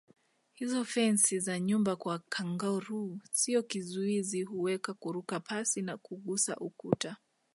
Hizo fensi za nyumba kwa kangaroo sio kizuizi huweza kuruka pasi na kugusa ukuta